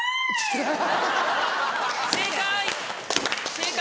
正解！